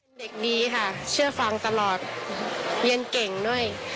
เป็นเด็กดีค่ะเชื่อฟังตลอดเรียนเก่งด้วย